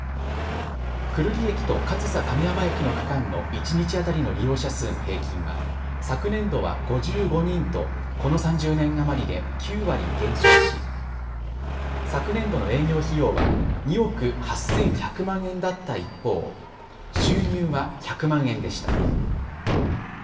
久留里駅と上総亀山駅の区間の一日当たりの利用者数の平均は昨年度は５５人とこの３０年余りで９割減少し昨年度の営業費用は２億８１００万円だった一方、収入は１００万円でした。